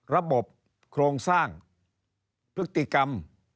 โครงสร้างพฤติกรรม